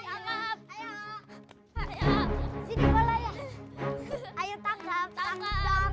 aku sudah tidak bisa berjalan lagi